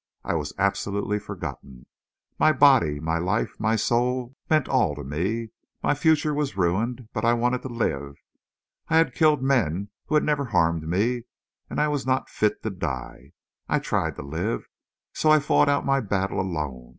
I was absolutely forgotten.... But my body, my life, my soul meant all to me. My future was ruined, but I wanted to live. I had killed men who never harmed me—I was not fit to die.... I tried to live. So I fought out my battle alone.